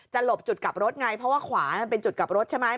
หลบจุดกลับรถไงเพราะว่าขวามันเป็นจุดกลับรถใช่ไหม